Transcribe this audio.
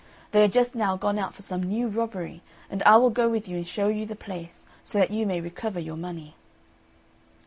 They are just now gone out for some new robbery, and I will go with you and show you the place, so that you may recover your money."